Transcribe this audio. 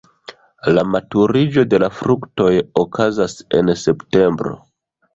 La maturiĝo de la fruktoj okazas en septembro.